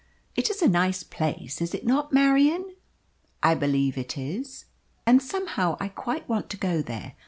"It is a nice place, is it not, Marian?" "I believe it is." "And somehow I quite want to go there.